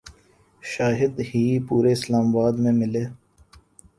شاید ہی پورے اسلام آباد میں ملے